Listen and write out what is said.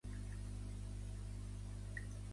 Quin sentit té venir aquí per escopir merda?